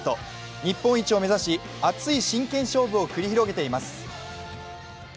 日本一を目指し、熱い真剣勝負を繰り広げています。